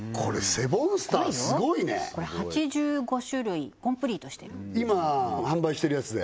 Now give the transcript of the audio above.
セボンスターすごいねこれ８５種類コンプリートしてる今販売してるやつで？